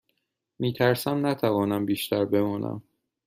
می ترسم نتوانم بیشتر بمانم.